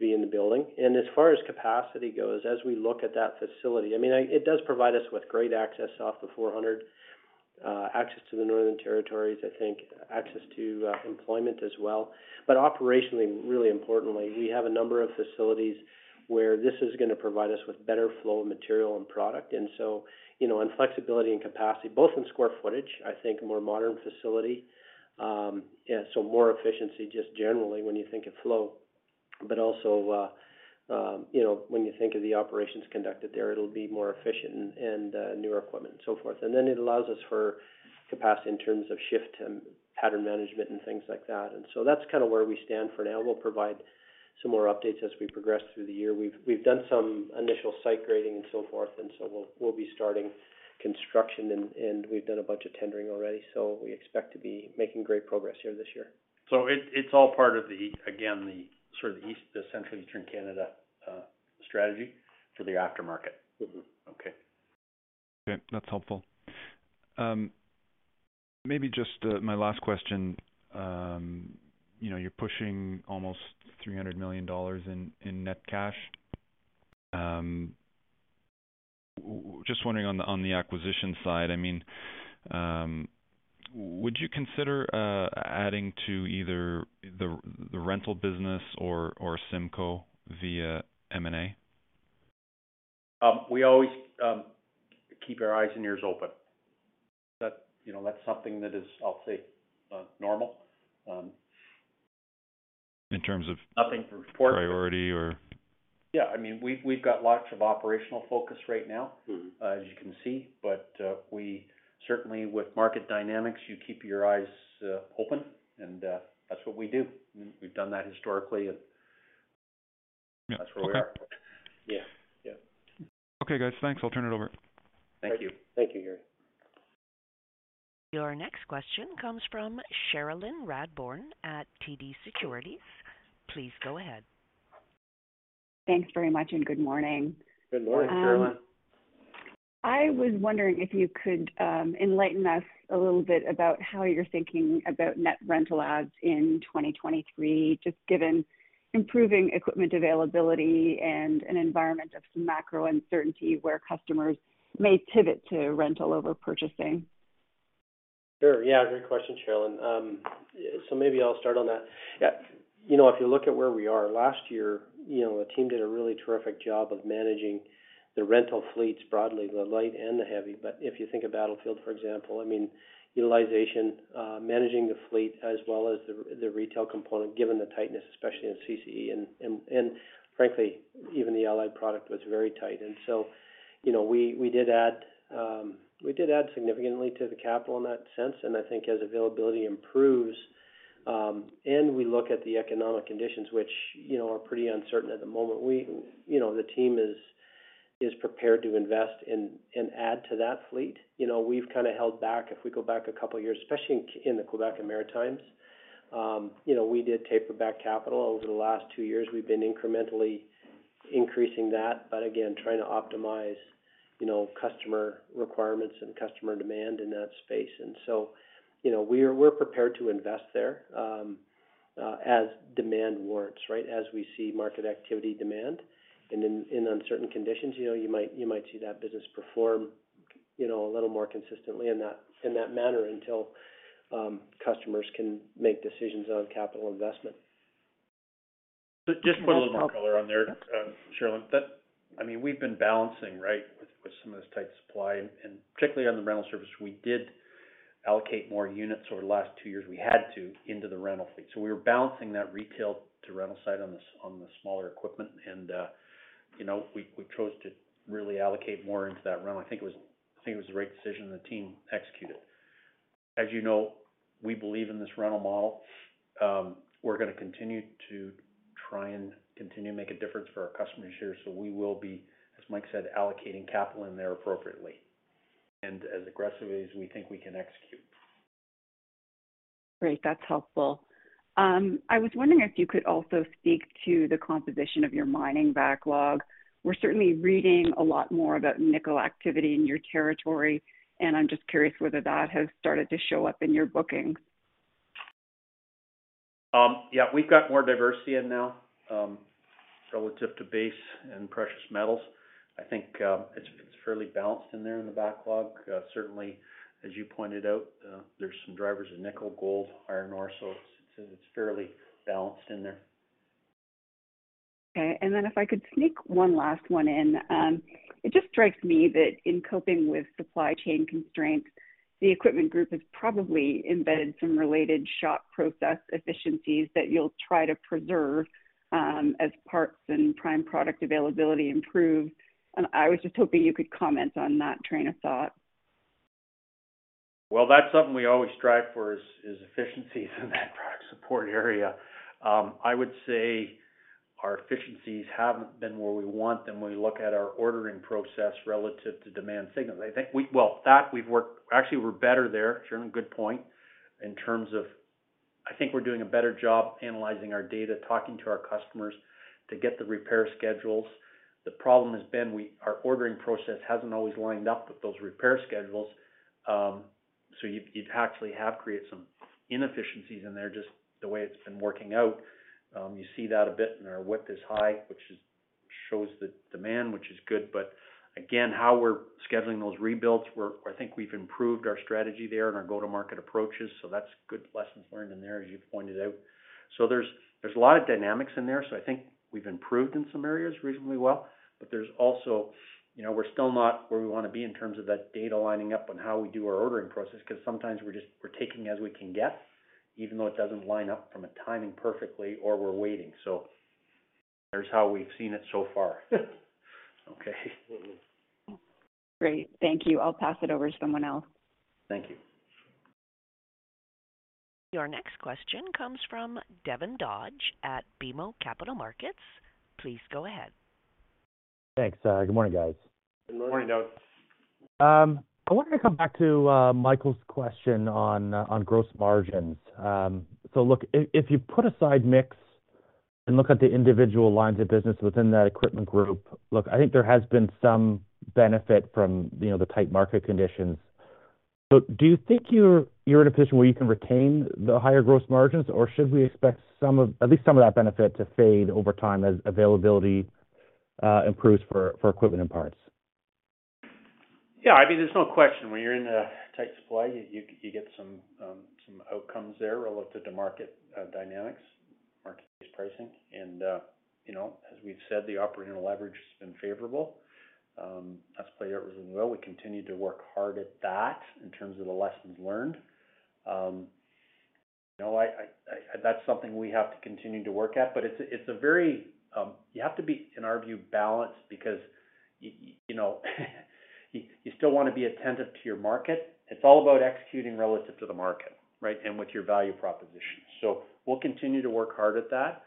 Speaker 2: be in the building. As far as capacity goes, as we look at that facility, I mean, it does provide us with great access off the 400, access to the northern territories, I think access to employment as well. Operationally, really importantly, we have a number of facilities where this is gonna provide us with better flow of material and product. You know, flexibility and capacity, both in square footage, I think a more modern facility. Yeah, more efficiency just generally when you think of flow. Also, you know, when you think of the operations conducted there, it'll be more efficient and newer equipment and so forth. It allows us for capacity in terms of shift and pattern management and things like that. That's kinda where we stand for now. We'll provide some more updates as we progress through the year. We've done some initial site grading and so forth, we'll be starting construction and we've done a bunch of tendering already. We expect to be making great progress here this year.
Speaker 3: It's all part of the, again, the sort of East, the central Eastern Canada, strategy for the aftermarket.
Speaker 2: Mm-hmm.
Speaker 3: Okay.
Speaker 6: Okay, that's helpful. Maybe just my last question. You know, you're pushing almost 300 million dollars in net cash. Just wondering on the acquisition side, I mean, would you consider adding to either the rental business or CIMCO via M&A?
Speaker 3: We always keep our eyes and ears open. That, you know, that's something that is, I'll say, normal.
Speaker 6: In terms of.
Speaker 3: Nothing to report.
Speaker 6: Priority or...
Speaker 3: Yeah, I mean, we've got lots of operational focus right now.
Speaker 6: Mm-hmm.
Speaker 3: As you can see. We certainly with market dynamics, you keep your eyes open and that's what we do. We've done that historically and that's where we are.
Speaker 6: Yeah. Okay.
Speaker 3: Yeah. Yeah.
Speaker 6: Okay, guys. Thanks. I'll turn it over.
Speaker 3: Thank you. Thank you, Yuri.
Speaker 1: Your next question comes from Cherilyn Radbourne at TD Securities. Please go ahead.
Speaker 7: Thanks very much, and good morning.
Speaker 3: Good morning, Cherilyn.
Speaker 7: I was wondering if you could enlighten us a little bit about how you're thinking about net rental adds in 2023, just given improving equipment availability and an environment of some macro uncertainty where customers may pivot to rental over purchasing.
Speaker 3: Sure. Yeah, great question, Cherilyn. So maybe I'll start on that. You know, if you look at where we are last year, you know, the team did a really terrific job of managing the rental fleets broadly, the light and the heavy. If you think of Battlefield for example, I mean, utilization, managing the fleet as well as the retail component, given the tightness, especially in CCE and frankly, even the allied product was very tight. So, you know, we did add significantly to the capital in that sense. I think as availability improves, and we look at the economic conditions which, you know, are pretty uncertain at the moment. We, you know, the team is prepared to invest and add to that fleet. You know, we've kinda held back. If we go back a couple of years, especially in the Quebec and Maritimes, you know, we did taper back capital. Over the last two years, we've been incrementally increasing that, but again, trying to optimize, you know, customer requirements and customer demand in that space. You know, we're prepared to invest there, as demand warrants, right, as we see market activity demand. In uncertain conditions, you know, you might see that business perform, you know, a little more consistently in that manner until customers can make decisions on capital investment. Just one little more color on there, Cherilyn. I mean, we've been balancing, right, with some of this tight supply. Particularly on the rental service, we did allocate more units over the last two years, we had to, into the rental fleet. We were balancing that retail to rental side on the, on the smaller equipment. You know, we chose to really allocate more into that rental. I think it was, I think it was the right decision and the team executed. As you know, we believe in this rental model. We're gonna continue to try and continue to make a difference for our customers here. We will be, as Mike said, allocating capital in there appropriately and as aggressively as we think we can execute.
Speaker 7: Great. That's helpful. I was wondering if you could also speak to the composition of your mining backlog? We're certainly reading a lot more about nickel activity in your territory. I'm just curious whether that has started to show up in your bookings?
Speaker 3: Yeah. We've got more diversity in now relative to base and precious metals. I think it's fairly balanced in there in the backlog. Certainly, as you pointed out, there's some drivers of nickel, gold, iron ore. It's fairly balanced in there.
Speaker 7: Okay. If I could sneak one last one in. It just strikes me that in coping with supply chain constraints, the Equipment Group has probably embedded some related shop process efficiencies that you'll try to preserve as parts and prime product availability improve. I was just hoping you could comment on that train of thought.
Speaker 3: That's something we always strive for is efficiencies in that product support area. I would say our efficiencies haven't been where we want them when we look at our ordering process relative to demand signals. Actually, we're better there. Sure, good point. In terms of, I think we're doing a better job analyzing our data, talking to our customers to get the repair schedules. The problem has been our ordering process hasn't always lined up with those repair schedules. You'd actually have created some inefficiencies in there just the way it's been working out. You see that a bit in our WIP is high, which shows the demand, which is good. Again, how we're scheduling those rebuilds, I think we've improved our strategy there and our go-to-market approaches. That's good lessons learned in there as you pointed out. There's a lot of dynamics in there. I think we've improved in some areas reasonably well, but there's also, you know, we're still not where we wanna be in terms of that data lining up on how we do our ordering process, because sometimes we're just taking as we can get, even though it doesn't line up from a timing perfectly or we're waiting. There's how we've seen it so far. Okay.
Speaker 7: Great. Thank you. I'll pass it over to someone else.
Speaker 3: Thank you.
Speaker 1: Your next question comes from Devin Dodge at BMO Capital Markets. Please go ahead.
Speaker 8: Thanks. Good morning, guys.
Speaker 3: Good morning. Morning, Devin.
Speaker 8: I wanted to come back to Michael's question on gross margins. Look, if you put aside mix and look at the individual lines of business within that Equipment Group, look, I think there has been some benefit from, you know, the tight market conditions. Do you think you're in a position where you can retain the higher gross margins or should we expect at least some of that benefit to fade over time as availability improves for equipment and parts?
Speaker 3: Yeah, I mean, there's no question when you're in a tight supply, you get some outcomes there relative to market dynamics, market-based pricing. The operational leverage has been favorable, has played out really well. We continue to work hard at that in terms of the lessons learned. You know, I that's something we have to continue to work at, but it's a, it's a very... You have to be, in our view, balanced because you know, you still want to be attentive to your market. It's all about executing relative to the market, right? With your value proposition. We'll continue to work hard at that.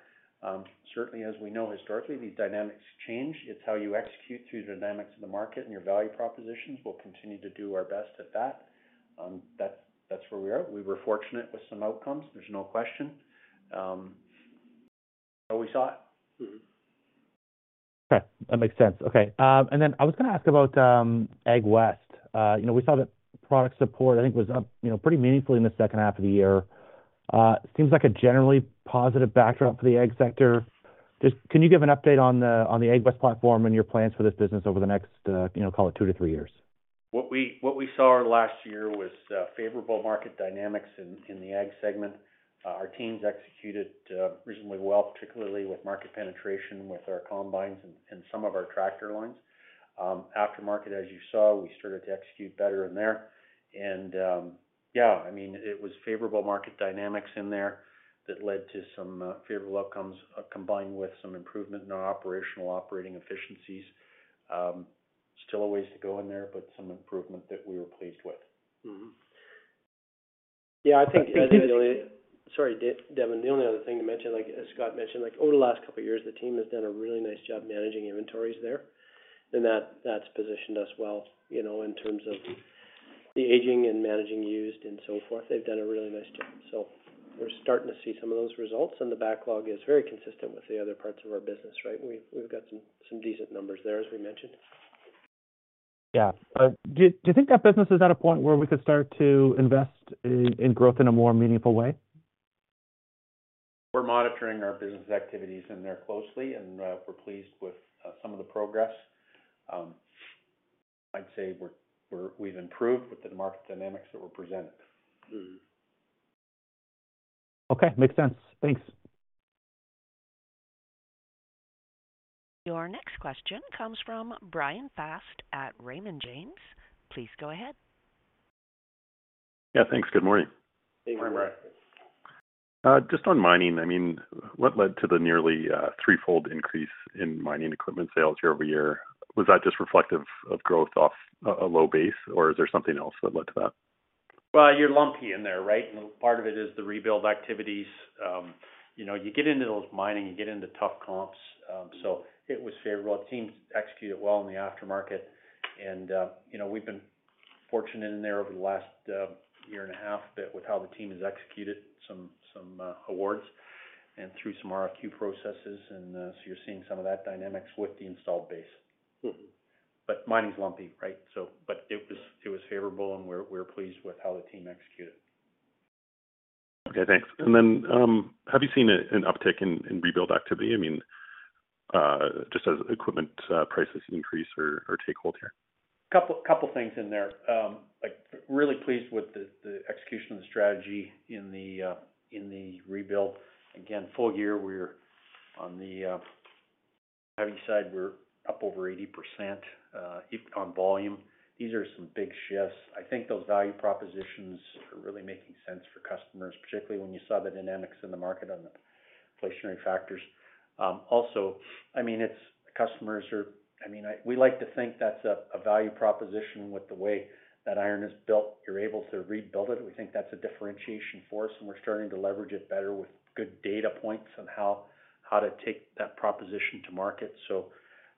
Speaker 3: Certainly, as we know, historically, these dynamics change. It's how you execute through the dynamics of the market and your value propositions. We'll continue to do our best at that. That's where we are. We were fortunate with some outcomes, there's no question. We saw it.
Speaker 8: Okay, that makes sense. Okay. I was gonna ask about AgWest. You know, we saw that product support, I think, was up, you know, pretty meaningfully in the second half of the year. Seems like a generally positive backdrop for the Ag sector. Just, can you give an update on the, on the AgWest platform and your plans for this business over the next, you know, call it 2-3 years?
Speaker 3: What we saw last year was favorable market dynamics in the Ag segment. Our teams executed reasonably well, particularly with market penetration with our combines and some of our tractor lines. Aftermarket, as you saw, we started to execute better in there. Yeah, I mean, it was favorable market dynamics in there that led to some favorable outcomes, combined with some improvement in our operational operating efficiencies. Still a ways to go in there, but some improvement that we were pleased with.
Speaker 8: Mm-hmm.
Speaker 2: Yeah, I think the.
Speaker 8: Thank you.
Speaker 2: Sorry, Devin. The only other thing to mention, like, as Scott mentioned, like over the last couple of years, the team has done a really nice job managing inventories there. That's positioned us well, you know, in terms of the aging and managing used and so forth. They've done a really nice job. We're starting to see some of those results, and the backlog is very consistent with the other parts of our business, right? We've got some decent numbers there, as we mentioned.
Speaker 8: Yeah. Do you think that business is at a point where we could start to invest in growth in a more meaningful way?
Speaker 3: We're monitoring our business activities in there closely, and we're pleased with some of the progress. I'd say we've improved with the market dynamics that were presented.
Speaker 8: Mm-hmm. Okay. Makes sense. Thanks.
Speaker 1: Your next question comes from Bryan Fast at Raymond James. Please go ahead.
Speaker 9: Yeah, thanks. Good morning.
Speaker 3: Hey, Bryan.
Speaker 9: Just on mining, I mean, what led to the nearly threefold increase in mining equipment sales year-over-year? Was that just reflective of growth off a low base, or is there something else that led to that?
Speaker 3: Well, you're lumpy in there, right? Part of it is the rebuild activities. you know, you get into those mining, you get into tough comps, so it was favorable. Our teams executed well in the aftermarket. you know, we've been fortunate in there over the last, year and a half bit with how the team has executed some, awards and through some RFQ processes. you're seeing some of that dynamics with the installed base.
Speaker 9: Mm-hmm.
Speaker 3: Mining is lumpy, right? It was favorable, and we're pleased with how the team executed.
Speaker 9: Okay, thanks. Have you seen an uptick in rebuild activity? I mean, just as equipment prices increase or take hold here.
Speaker 3: A couple of things in there. Like, really pleased with the execution of the strategy in the in the rebuild. Again, full year, we're on the heavy side, we're up over 80% if on volume. These are some big shifts. I think those value propositions are really making sense for customers, particularly when you saw the dynamics in the market on the inflationary factors. Also, I mean, it's I mean we like to think that's a value proposition with the way that iron is built, you're able to rebuild it. We think that's a differentiation for us, and we're starting to leverage it better with good data points on how to take that proposition to market.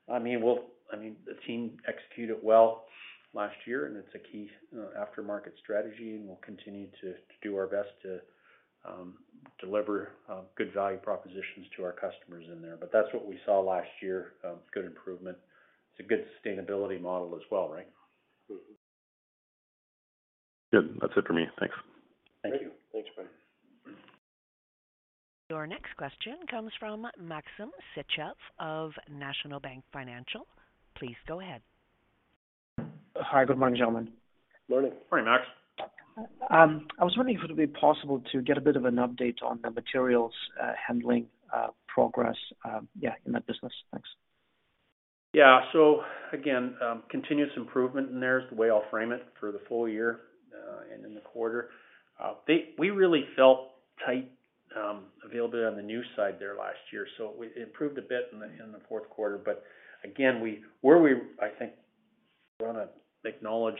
Speaker 3: I mean, the team executed well last year, and it's a key aftermarket strategy, and we'll continue to do our best to deliver good value propositions to our customers in there. That's what we saw last year, good improvement. It's a good sustainability model as well, right?
Speaker 9: Mm-hmm. Good. That's it for me. Thanks.
Speaker 3: Thank you.
Speaker 2: Thanks, Bryan.
Speaker 1: Your next question comes from Maxim Sytchev of National Bank Financial. Please go ahead.
Speaker 10: Hi. Good morning, gentlemen.
Speaker 2: Morning.
Speaker 3: Morning, Max.
Speaker 10: I was wondering if it'll be possible to get a bit of an update on the materials handling progress in that business. Thanks.
Speaker 3: Yeah. Again, continuous improvement in there is the way I'll frame it for the full year and in the quarter. We really felt tight availability on the new side there last year, so it improved a bit in the fourth quarter. Again, where we, I think, wanna acknowledge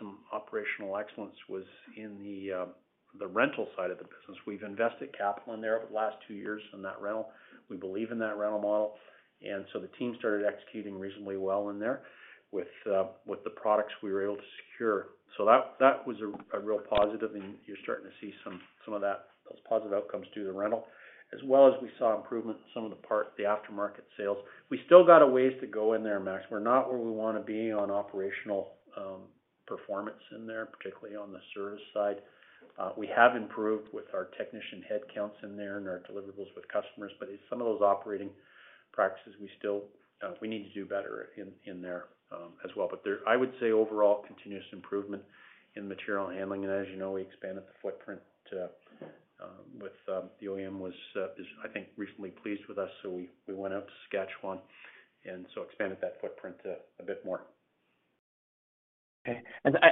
Speaker 3: some operational excellence was in the rental side of the business. We've invested capital in there over the last 2 years in that rental. We believe in that rental model. The team started executing reasonably well in there with the products we were able to secure. That was a real positive and you're starting to see some of that, those positive outcomes due to rental, as well as we saw improvement in some of the aftermarket sales. We still got a ways to go in there, Max. We're not where we wanna be on operational, performance in there, particularly on the service side. We have improved with our technician headcounts in there and our deliverables with customers, in some of those operating practices, we still, we need to do better in there, as well. I would say overall continuous improvement in material handling. As you know, we expanded the footprint. The OEM was, is I think recently pleased with us, we went out to Saskatchewan and so expanded that footprint a bit more.
Speaker 10: Okay.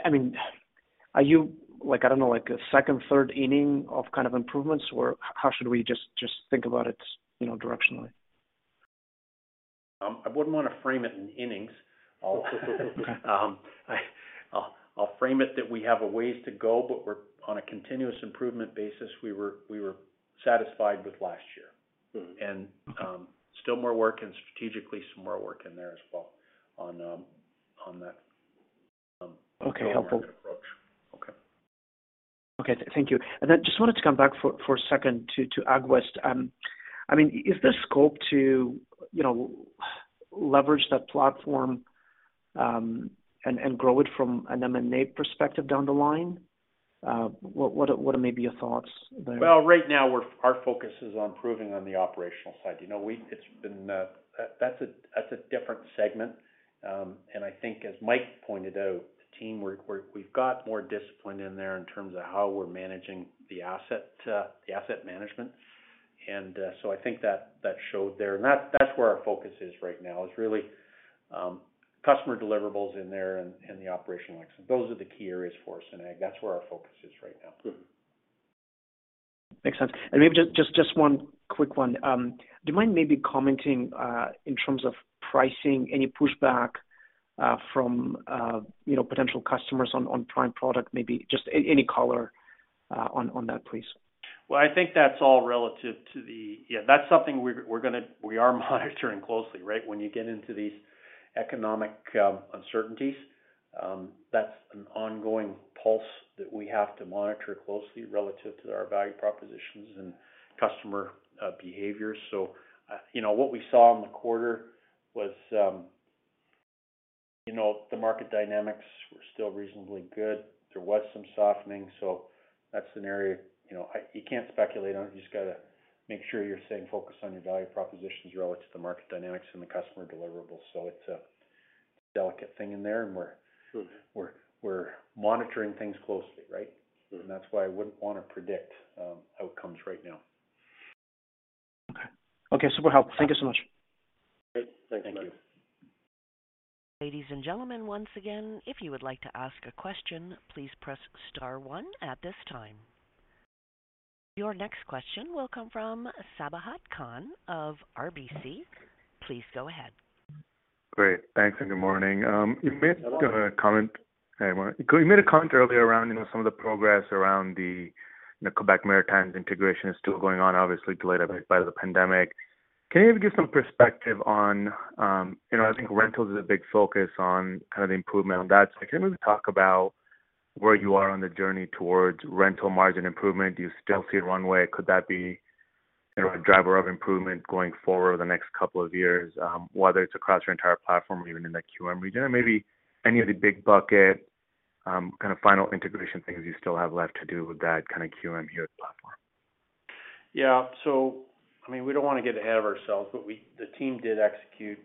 Speaker 10: I mean, are you like, I don't know, like a second, third inning of kind of improvements or how should we just think about it, you know, directionally?
Speaker 3: I wouldn't wanna frame it in innings. I'll frame it that we have a ways to go, but we're on a continuous improvement basis we were satisfied with last year.
Speaker 10: Mm-hmm. Okay.
Speaker 3: Still more work and strategically some more work in there as well on that.
Speaker 10: Okay. Helpful.
Speaker 3: ...go-to-market approach. Okay.
Speaker 10: Okay. Thank you. Just wanted to come back for a second to AgWest. I mean, is there scope to, you know, leverage that platform and grow it from an M&A perspective down the line? What are maybe your thoughts there?
Speaker 3: Well, right now our focus is on improving on the operational side. You know, it's been. That's a different segment. I think as Mike pointed out, the team, we've got more discipline in there in terms of how we're managing the asset, the asset management. I think that showed there. That's where our focus is right now, is really customer deliverables in there and the operational excellence. Those are the key areas for us in Ag. That's where our focus is right now.
Speaker 10: Makes sense. Maybe just one quick one. Do you mind maybe commenting in terms of pricing, any pushback from, you know, potential customers on Prime product maybe? Just any color on that, please.
Speaker 3: I think that's all relative to the. Yeah, that's something we are monitoring closely, right? When you get into these economic uncertainties, that's an ongoing pulse that we have to monitor closely relative to our value propositions and customer behaviors. you know, what we saw in the quarter was, you know, the market dynamics were still reasonably good. There was some softening, that's an area, you know. You can't speculate on it. You just gotta make sure you're staying focused on your value propositions relative to the market dynamics and the customer deliverables. It's a delicate thing in there and we're.
Speaker 10: Mm-hmm.
Speaker 3: We're monitoring things closely, right?
Speaker 10: Mm-hmm.
Speaker 3: that's why I wouldn't wanna predict, outcomes right now.
Speaker 10: Okay. Okay, super helpful. Thank you so much.
Speaker 3: Great. Thanks, Max. Thank you.
Speaker 1: Ladies and gentlemen, once again, if you would like to ask a question, please press star one at this time. Your next question will come from Sabahat Khan of RBC. Please go ahead.
Speaker 11: Great. Thanks and good morning. You made a comment-
Speaker 3: Hello.
Speaker 11: Hey. You made a comment earlier around, you know, some of the progress around the, you know, Quebec Maritimes integration is still going on, obviously delayed a bit by the pandemic. Can you give some perspective on, you know, I think rentals is a big focus on kind of the improvement on that? Can you maybe talk about where you are on the journey towards rental margin improvement? Do you still see a runway? Could that be, you know, a driver of improvement going forward the next couple of years, whether it's across your entire platform or even in the Hewitt region? Maybe any of the big bucket, kind of final integration things you still have left to do with that kind of Hewitt platform?
Speaker 3: I mean, we don't wanna get ahead of ourselves, but the team did execute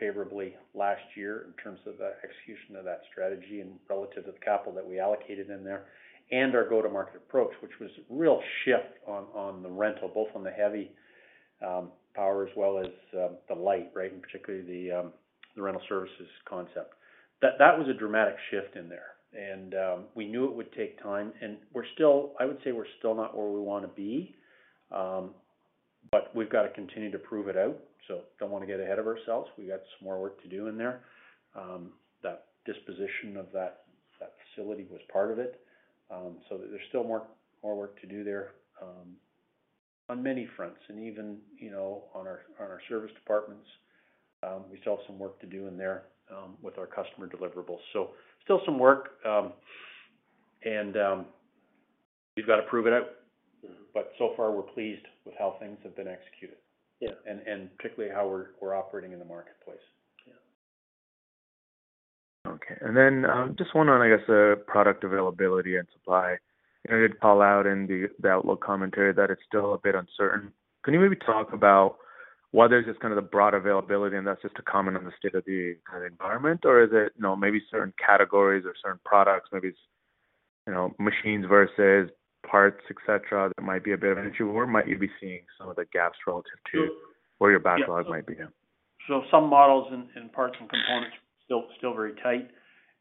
Speaker 3: favorably last year in terms of the execution of that strategy and relative to the capital that we allocated in there and our go-to-market approach, which was a real shift on the rental, both on the heavy power as well as the light, right? Particularly the rental services concept. That was a dramatic shift in there. We knew it would take time, and we're still... I would say we're still not where we wanna be, but we've got to continue to prove it out, don't wanna get ahead of ourselves. We've got some more work to do in there. That disposition of that facility was part of it. There's still more work to do there, on many fronts. Even, you know, on our service departments, we still have some work to do in there, with our customer deliverables. Still some work, and we've got to prove it out.
Speaker 11: Mm-hmm.
Speaker 3: So far, we're pleased with how things have been executed.
Speaker 11: Yeah.
Speaker 3: Particularly how we're operating in the marketplace.
Speaker 11: Yeah. Okay. Just one on, I guess, product availability and supply. I know you'd call out in the outlook commentary that it's still a bit uncertain. Can you maybe talk about whether it's just kind of the broad availability and that's just a comment on the state of the kind of environment? Or is it, you know, maybe certain categories or certain products, maybe it's, you know, machines versus parts, et cetera, that might be a bit of an issue? Or might you be seeing some of the gaps relative to...
Speaker 3: So-
Speaker 11: Where your backlog might be now?
Speaker 3: Some models and parts and components still very tight.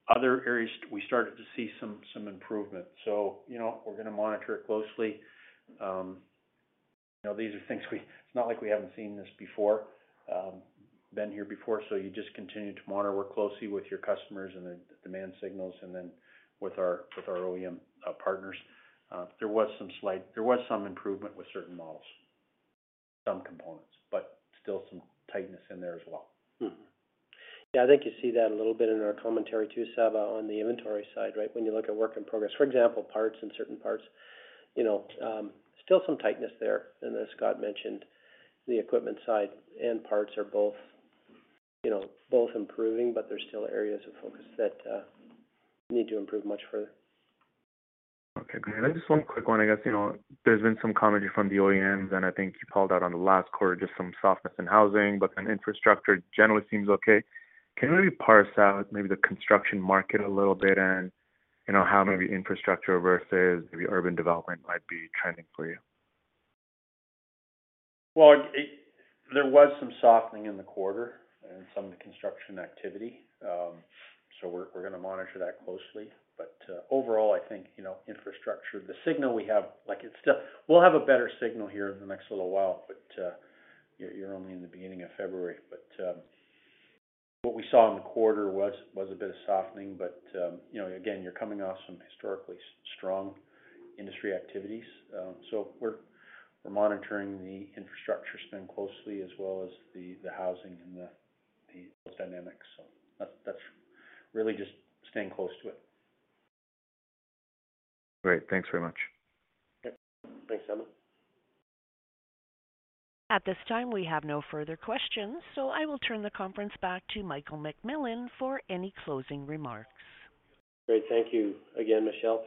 Speaker 3: Other areas we started to see some improvement. You know, we're gonna monitor it closely. You know, these are things. It's not like we haven't seen this before, been here before, so you just continue to monitor work closely with your customers and the demand signals and then with our OEM partners. There was some improvement with certain models. Some components, but still some tightness in there as well.
Speaker 2: Yeah, I think you see that a little bit in our commentary too, Max, on the inventory side, right? When you look at work in progress, for example, parts and certain parts, you know, still some tightness there. As Scott mentioned, the equipment side and parts are both, you know, both improving, but there's still areas of focus that need to improve much further.
Speaker 11: Okay, great. Just one quick one. I guess, you know, there's been some commentary from the OEMs, and I think you called out on the last quarter just some softness in housing, but then infrastructure generally seems okay. Can you maybe parse out maybe the construction market a little bit and, you know, how maybe infrastructure versus maybe urban development might be trending for you?
Speaker 3: Well, there was some softening in the quarter and some of the construction activity. We're gonna monitor that closely. Overall, I think, you know, infrastructure, the signal we have, like it's still... We'll have a better signal here in the next little while, but you're only in the beginning of February. What we saw in the quarter was a bit of softening but, you know, again, you're coming off some historically strong industry activities. We're monitoring the infrastructure spend closely as well as the housing and the post dynamics. That's really just staying close to it.
Speaker 11: Great. Thanks very much.
Speaker 3: Yep. Thanks, Max.
Speaker 1: At this time, we have no further questions, so I will turn the conference back to Michael McMillan for any closing remarks.
Speaker 2: Great. Thank you again, Michelle.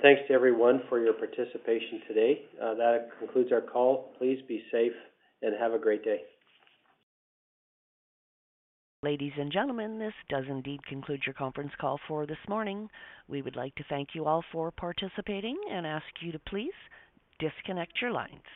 Speaker 2: Thanks to everyone for your participation today. That concludes our call. Please be safe and have a great day.
Speaker 1: Ladies and gentlemen, this does indeed conclude your conference call for this morning. We would like to thank you all for participating and ask you to please disconnect your lines.